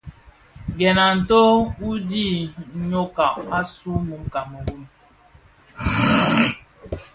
Gèn a nto u dhid nwokag, asuu mun Kameroun.